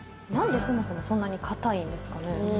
何でそもそもそんなに堅いんですかね？